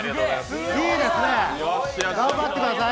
いいですね、頑張ってください。